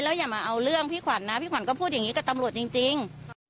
อย่ามาเอาเรื่องพี่ขวัญนะพี่ขวัญก็พูดอย่างนี้กับตำรวจจริง